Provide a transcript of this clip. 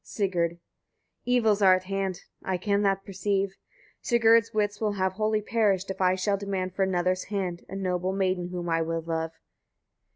Sigurd. 36. Evils are at hand, I can that perceive; Sigurd's wits will have wholly perished, if I shall demand for another's hand, a noble maiden whom I well love.